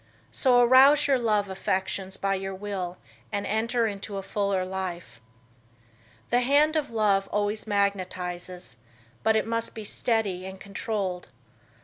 So arouse your love affections by your will and enter into a fuller life. The hand of love always magnetizes, but it must be steady and controlled.